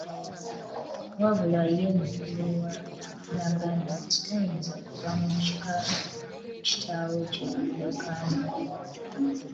Wabula ye mukulu we n’agaana nti tayinza kuva mu kika kitaawe kye yamulekamu.